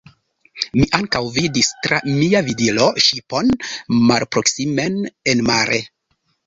Mi ankaŭ vidis tra mia vidilo ŝipon malproksimen enmare.